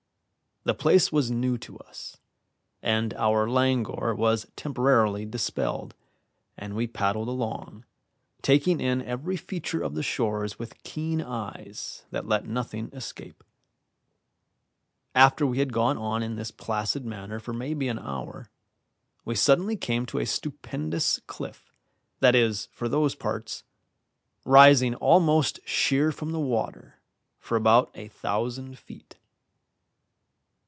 The place was new to us, and our languor was temporarily dispelled, and we paddled along, taking in every feature of the shores with keen eyes that let nothing escape. After we had gone on in this placid manner for maybe an hour, we suddenly came to a stupendous cliff that is, for those parts rising almost sheer from the water for about a thousand feet.